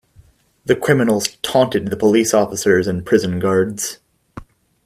The criminals taunted the police officers and prison guards.